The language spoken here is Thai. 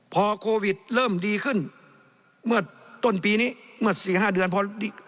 พอโควิดเริ่มดีขึ้นเมื่อต้นปีนี้เมื่อสี่ห้าเดือนพอดี